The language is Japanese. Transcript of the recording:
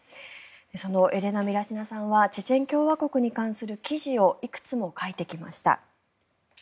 そのエレナ・ミラシナさんはチェチェン共和国に関する記事をいくつも書いてきました。